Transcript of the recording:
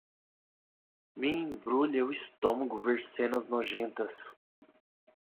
Me embrulha o estômago ver cenas nojentas.